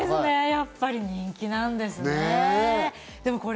やっぱり人気なんですね。